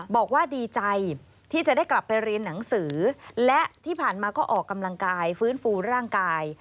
บอกว่าดีใจที่จะได้กลับไปเรียนหนังสือและที่ผ่านมาก็ออกกำลังกายฟื้นฟูร่างกาย